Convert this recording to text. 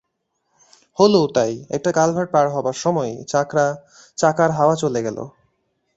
হলও তাই একটা কালভার্ট পার হবার সময় চাকার হাওয়া চলে গেল।